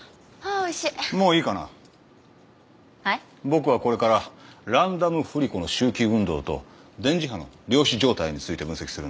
僕はこれからランダム振り子の周期運動と電磁波の量子状態について分析するんだ。